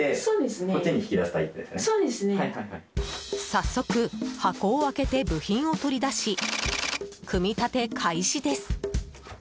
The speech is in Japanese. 早速、箱を開けて部品を取り出し組み立て開始です。